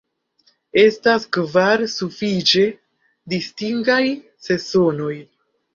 Estas kvar sufiĉe distingaj sezonoj.